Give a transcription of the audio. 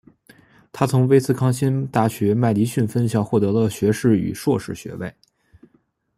他从威斯康辛大学麦迪逊分校获得学士与硕士学位。